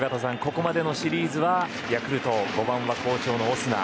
ここまでのシリーズはヤクルト、５番は好調のオスナ。